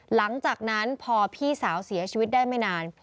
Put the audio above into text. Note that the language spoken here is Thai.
หลังจากนั้นพอพี่สาวเสียชีวิตได้ไม่นาน